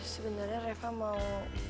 sebenarnya reva mau